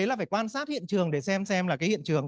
là phải quan sát hiện trường để xem xem là cái hiện trường